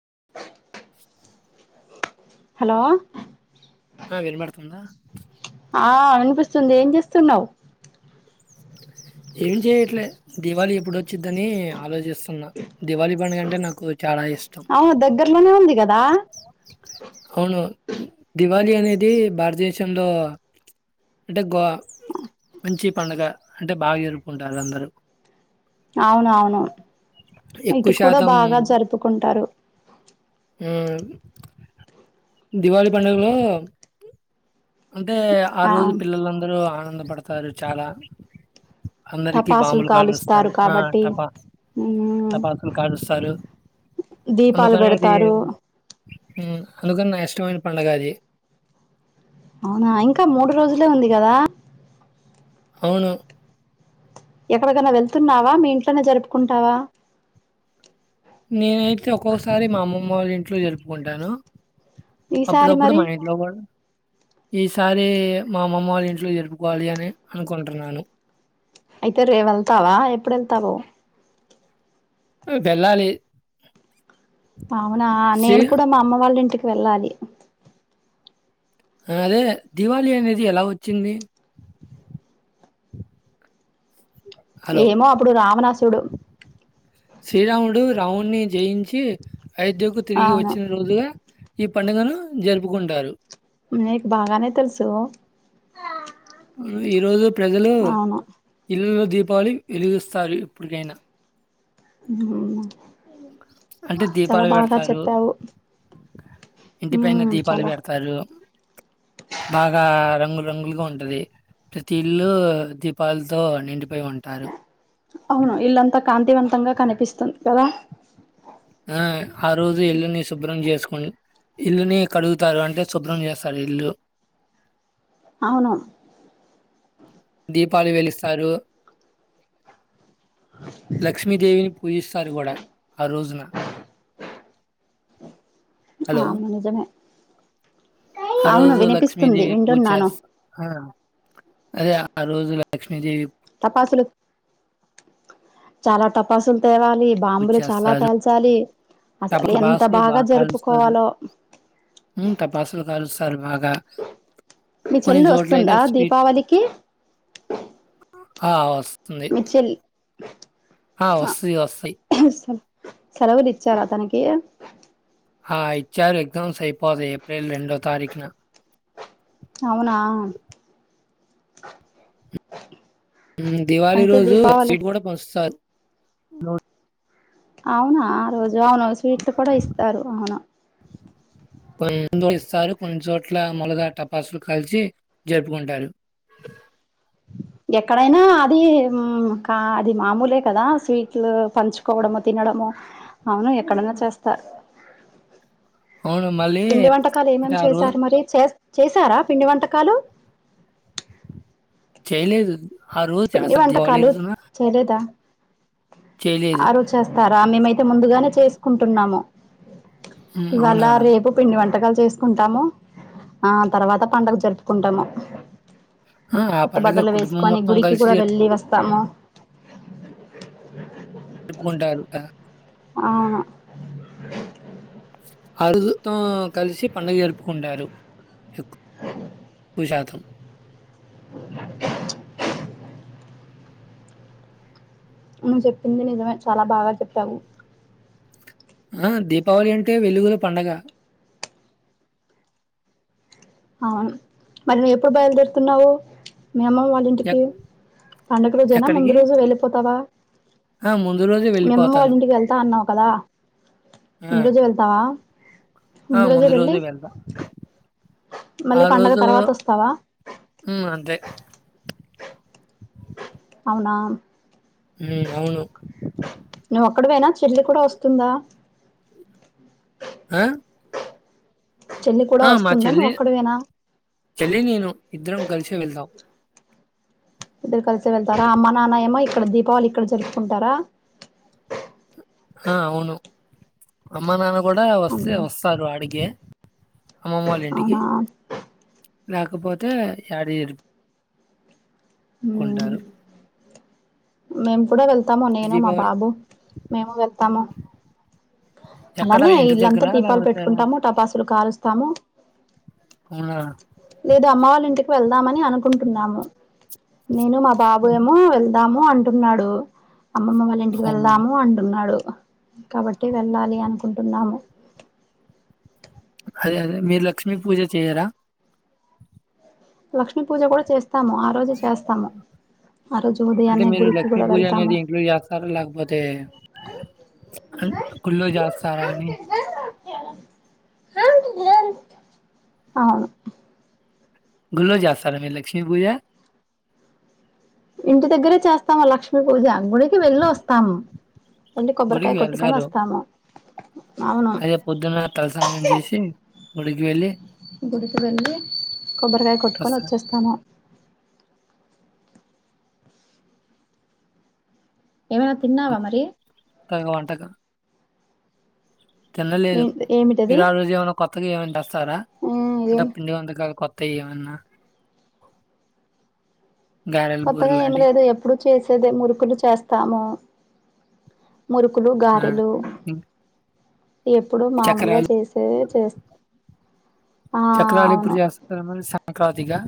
[inaudible] [inaudible] Hello ఆ వినబడుతుందా ఆ వినిపిస్తుంది ఏం చేస్తున్నావు ఏం చేయట్లే దివాళి ఎప్పుడు వచ్చిద్దని ఆలోచిస్తున్నా దివాళి పండుగంటే నాకు చాలా ఇష్టం. అవు దగ్గర్లోనే ఉంది కదా అవును. దివాళీ అనేది భారతదేశంలో అంటే గో మంచి పండుగ అంటే బాగా ఎరుకుంటారు అందరూ అవునవును ఎక్కువ ఇటు కూడా శాతం బాగా జరుపుకుంటారు దివాళి పండుగలో అంటే ఆ రోజు పిల్లలందరూ ఆనందం కనపడతారు చాలా అందరికి టపాసులు బాంబులు కాలుస్తారు ఆ కాబట్టి టపా ఉమ్ టపాసులు కాలుస్తారు దీపాలు అందుకనే అది పెడతారు అందుకని నాకు ఇష్టమైన పండుగ అది అవునా ఇంకా. మూడు రోజులే ఉంది కదా. అవును. ఎక్కడికైనా వెళ్తున్నావా. మీ ఇంట్లోనే జరుపుకుంటావా. నేనైతే ఒక్కొసారి మా అమ్మమ్మ వాళ్ళ ఇంట్లో జరుపుకుంటాను. అప్పుడు, ఈసారి అప్పుడు మరి మా ఇంట్లో కూడా ఈసారి మా అమ్మమ్మ వాళ్ళ ఇంట్లో జరుపుకోవాలి అని అనుకుంటున్నాను. అయితే రేవు వెళ్తావా, ఎప్పుడు వెళ్తావో రేపు వెళ్లాలి అవునా నేను కూడా మా అమ్మ వాళ్ళ ఇంటికి. వెళ్ళాలి. అదే దివాళి అనేది ఎలా వచ్చింది. హలో! ఏమో అప్పుడు రావణాస్- అప్పుడు శ్రీరాముడు రాముడ్ ని జయించి అయోధ్యకు తిరిగి అవును వచ్చిన రోజుగా ఈ పండుగను జరుపుకుంటారు. నీకు బాగానే తెలుసు. ఈ రోజు ప్రజలు అవును ఇళ్లలో ది దీపాలు వెలుగుస్తారు ఎప్పటికైనా ఉ అంటే దీపాలు పెడతారు చెప్పావు ఇంటి పైన ఉమ్ దీపాలు చాలా పెడతారు బాగా రంగుల రంగులుగా ఉంటది ప్రతి ఇల్లు దీపాలితో నిండిపోయి ఉంటారు అవును ఇల్లంతా కాంతివంతంగా కనిపిస్తుంది కదా ఆ ఆ రోజు ఇల్లు ని శుభ్రం చేసుకు ఇల్లుని కడుగుతారు అంటే శుభ్రం చేస్తారు ఇల్లు అవును దీపాలు వెలిగిస్తారు లక్ష్మీదేవిని పూజిస్తారు కూడా ఆ రోజున ఆ హలో మ నిజమే ఆ అవును రోజు వినిపిస్తుంది లక్ష్మీదేవి పూజ వింటున్నాను అదే ఆ రోజు లక్ష్మీదేవి టపాసులు చాలా టపాసులు తెవాల్ లి పూజ బాంబులు చాలా చేస్తారు. పేల్చాలి అసలు ఎంత టపాసులు బాగా కాలుస్తారు. జరుపుకోవాలో తర్వాత మీ చెల్లు వస్తుందా దీపావళికి ఆ వస్తుంది. మీ చెల్లి ఆ వస్తయి వస్తాయి సెలవులు ఇచ్చారా తనికి ఆ ఇచ్చారు ఎగ్జామ్స్ అయిపోతాయి ఏప్రిల్ రెండో తారీఖున అవునా దివాళి అయితే రోజు దీపావళి సీట్ కూడా పంచుతారు నో అవునా ఆ రోజు దివానినోమి స్వీట్లు కూడా ఇస్తారు అవును కొన్నిట్ ఇస్తారు కొన్ని చోట్ల మొలగా టపాసులు కాల్చి జరుపుకుంటారు ఎక్కడైనా అది కా అది మామూలే కదా స్వీట్లు పంచుకోవడము తినడము అవును ఎక్కడైనా చేస్తారు అవును. మళ్ళీ పిండి వంటకాలు ఏమేం అంటే ఆ రోజు చేశారు మరి చేస్ చేశారా పిండి వంటకాలు చేయలేదు ఆ రోజు పిండి చేస్తారు వంట దివాళీ కాలు రోజున చెయ్యలేదా చేయలేదు. ఆ రోజు చేస్తార్ రా మేమైతే ముందుగానే చేసుకుంటున్నాము హ్మ్. అవునా? ఇవాళ రేపు పిండి వంటకాలు చేసుకుంటాము ఆ తర్వాత పండగ జరుపుకుంటాము ఆ కొత్త బట్టలు పండగక్ కుటుంబం వేసుకొని మొత్తం క గుడికి కూడా వెల్లి వస్ తమ్మో ప్పుకుంటారు అ అవును అడుగుతో కలిసి పండుగ జరుపుకుంటారు ఎకు జతమ్ నువు చెప్పింది నిజమే చాలా బాగా చెప్పావు ఆ దీపావళి అంటే వెలుగుల పండగ అవును మరి నీవు ఎప్పుడు బయలుదేరుతున్నావు మీ అమ్మమ్మ వాళ్ళింటికి ఎక్ పండగ రోజేనా ముందు ఎక్కడికి? రోజు వెళ్ళిపోతావా ఆ! ముందు రోజే మీ అమ్మమ్మ వెళ్ళిపోతాను. వాళ్ళింటికి వెళ్తా అన్నావు కదా ఆ! ముందు రోజు వెళ్తావా ఆ ముందు రోజే వెళ్తా ఆ మళ్ళీ పండగ రోజు తర్వాత వస్తావా ఊ అంతే అవునా ఊ అవును నువ్వు ఒక్కడివేనా చెల్లి కూడా వస్తుందా అ చెల్లి కూడా వస్తుందా నువు ఒక్కడివేన చెల్లి నేను ఇద్దరం కలిసే వెళ్తాం ఇద్దరు కలిసే వెళ్తారా అమ్మ నాన్న ఏమో ఇక్కడ దీపావళి ఇక్కడ జరుపుకుంటారా ఆ అవును అమ్మ నాన్న కూడా వస్తే ఉమ్, వస్తారు అడికే అమ్మమోల్ ఇంటికి అవునా లేకపోతే యాడిర్ ఉమ్, కొంటారు మేము కూడా వెళ్త తము నేను మా బాబు మేము వెళ్తాము ఎక్కడ అలానే ఇంటి ఇల్లంతా దగ్గరా? దీపాలు లేకపోతే పెట్టుకుంటాము టపాసులు కాలుస్తాము అవునా? లేదా అమ్మ వాళ్ళింటికి వెళ్దామని అనుకుంటున్నాము నేను మా బాబు హ్మ్. ఏమో వెళ్దాము అంట్ ఉన్నాడు అమ్మమ్మ వాళ్ళింటికి అవునా? వెళ్దాము అంటున్నాడు కాబట్టి వెళ్ళాలి అనుకుంటున్నాము అదే అదే మీరు లక్ష్మీ పూజ చేయరా లక్ష్మి పూజ కూడా చేస్త ఆ రోజు ఇక ఉదయాన్నే మీరు గుడికి లక్ష్మీ కూడా పూజ అనేది వెళ్తాము ఇంట్లో చేస్తారు లేకపోతే గుళ్ళో చేస్తార అని అవును గుళ్ళో చేస్తారా మీరు లక్ష్మి పూజ ఇంటి దగ్గరే చేస్తాము లక్ష్మీ పూజ గుడికి వెళ్ళొస్తాము రండి కొబ్బరికాయ గుడికి కొట్టుకొని వెళ్తారు. వస్తాము అవును అదే పొద్దున్న తలస్నానం చేసి గుడికి వెళ్ళి గుడికి వెల్లి కొబ్బరికాయ కొట్టుకొని వస్తా వచ్చేస్తాను ఏమనా తిన్నావా మరి త వంటగ తినలేదు ఏమిటది మీరు ఆ రోజు ఏమైన్నా కొత్త క ఏమంట స్థారా ఆ అంటే ఏం పిండి వంటాకాలు కొత్త తె ఏ మన్న కొత్తగా ఏమి లేదు ఎప్పుడు చేసేదే మురుకులు చేస్తాము మురుకులు ఆ, గారెలు ఇం- ఎప్పుడు మామూలుగా చక్రాలు చేసేవే చేస్తా చక్రాాలి పూజస్తు సంక్రాంతిగా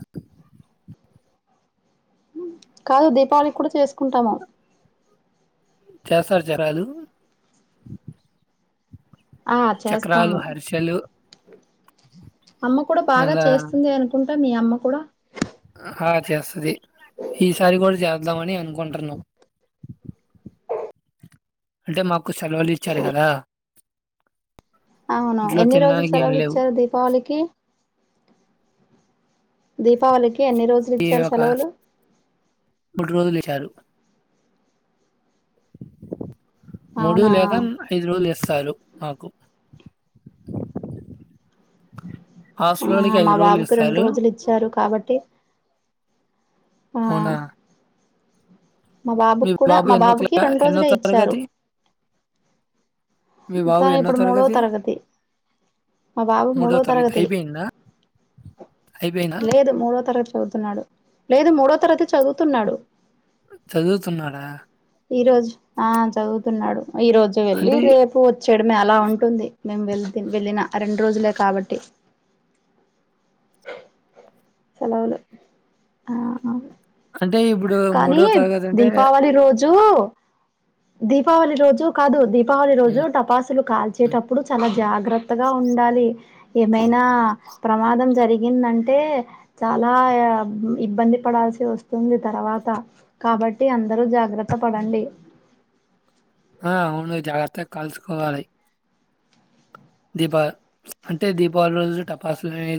కాదు దీపావళి కూడా చేసుకుంటాము చేస్తారు జరాలు ఆ చేస్తాము హర్షలు అమ్మ కూడా బాగా మళ్ళా చేస్తుంది అనుకుంటు ఇ మీ అమ్మ కూడా ఆ చేస్తుది ఈ సారి కూడా జ వద్దామని అనుకుంటున్నాం అంటే మాకు కు సెలవులు ఇచ్చారు కదా అవునా ఇంట్లో ఎన్ని రోజులు తినడానికి ఏం సెలవులు లేవు ఇచ్చారు దీపావళికి దీపావళికి కి ఎన్ని రోజులు ఈ ఇచ్చారు ఒక సెలవులు మూడు రోజులు ఇచ్చారు మూడు అవునా లేక ఐదు రోజులు చే సాలు ఆకు ఆ మా బాబుకు రెండు ఇస్తారు. రోజులు ఇచ్చారు కాబట్టి ఆ అవునా? మా మీ బాబుకి కూడా బాబు మా ఎన్నో బాబుకి క్లా రెండు ఎన్నో రోజులే ఇచ్చారు తరగతి? మీ బాబు తను ఎన్నో ఇప్పుడు మూడవ తరగతి మా బాబు మూడో మూడవ తరగతి అయిపోయిందా? అయిపోయిందా? లేదు మూడో తరగ చదువుతున్నాడు లేదు మూడో తరగతి చదువుతున్నాడు చదువుతున్నాడా ఈ రోజు ఆ చదువుతున్నాడు ఈ రోజు వెళ్లి అంటే రేపు వచ్చేయడమే అలా ఉంటుంది మేం వెళ్ వెళ్ళిన రెండు రోజులే కాబట్టి సెలవులు ఆ అంటే ఇప్పుడు కానీ మూడో తరగతి అంటే దీపావళి రోజు దీపావళి రోజు కాదు దీపావళి రోజు హ్మ్. టపాసులు కాల్చేటప్పుడు చాలా జాగ్ జాగ్రత్తగా ఉండాలి ఏమైనా ప్రమాదం జరిగిందంటే చాలా ఇబ్బంది పడాల్సి వస్తుంది తర్వాత కాబట్టి అందరూ జాగ్రత్త పడండి ఆ అవును జాగ్రత్తగా కాల్చుకోవాలి దీపా అంటే దీపావళి రోజు టపాసులే